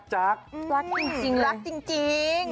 รักจริงรักจริง